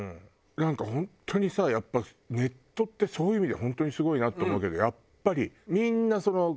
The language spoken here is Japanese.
なんか本当にさやっぱネットってそういう意味で本当にすごいなって思うけど。